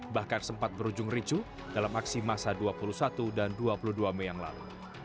bahkan sempat berujung ricu dalam aksi masa dua puluh satu dan dua puluh dua mei yang lalu